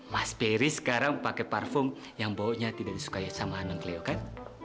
mas barry sekarang pakai parfum yang bau nya tidak disukai sama anak cleo kan